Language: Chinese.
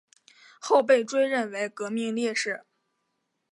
后被追认为革命烈士。